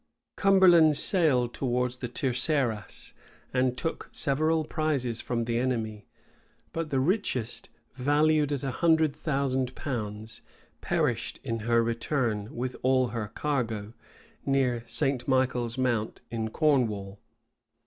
Cumberland sailed towards the Terceras, and took several prizes from the enemy; but the richest, valued at a hundred thousand pounds, perished in her return, with all her cargo, near St. Michael's Mount, in Cornwall.